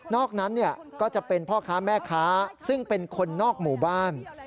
นั้นก็จะเป็นพ่อค้าแม่ค้าซึ่งเป็นคนนอกหมู่บ้าน